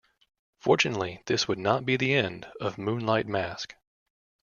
Fortunately, this would not be the end of Moonlight Mask.